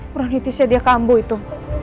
pronitisnya dia kambuh itu